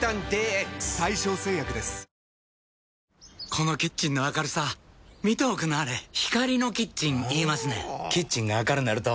このキッチンの明るさ見ておくんなはれ光のキッチン言いますねんほぉキッチンが明るなると・・・